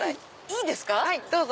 いいですか！